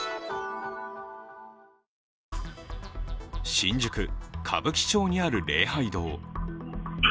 新宿・歌舞伎町にある礼拝堂。